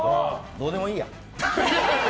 どうでもいいや。